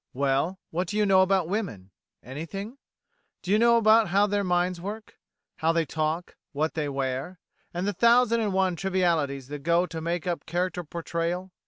Well, what do you know about women? Anything? Do you know how their minds work? how they talk? what they wear? and the thousand and one trivialities that go to make up character portrayal?